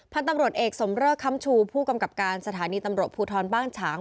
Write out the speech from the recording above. พันธุ์ตำรวจเอกสมเริกคำชูผู้กำกับการสถานีตำรวจภูทรบ้านฉาง